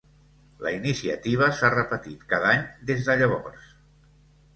La iniciativa s'ha repetit cada any des de llavors.